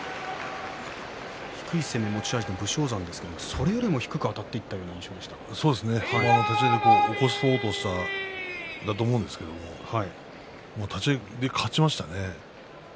低い攻めが持ち味の武将山ですがそれよりも低くあたっていった立ち合い起こそうとしたんだと思うんですけれども立ち合いで勝ちましたね。